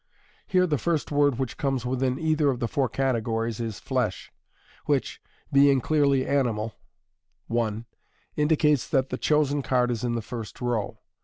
Here the first word which comes within either of the four categories is " tiesh," which, being clearly animal (i), indicates that the chosen card is in the first row.